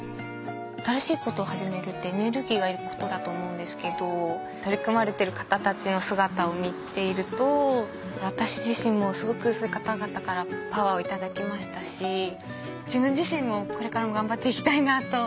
新しいことを始めるってエネルギーがいることだと思うんですけど取り組まれてる方たちの姿を見ていると私自身もすごくそういう方々からパワーを頂きましたし自分自身もこれからも頑張っていきたいなと。